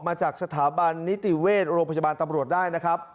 มาจากสถาบันนิติเวชโรงพยาบาลตำรวจได้นะครับ